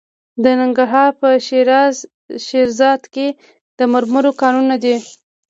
د ننګرهار په شیرزاد کې د مرمرو کانونه دي.